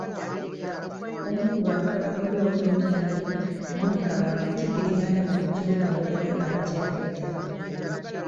Omu ku bantu abamuli okumpi ennyo, mwami Kabanda akiddiŋŋana bulijjo ng’ayogera ng'abakyalidde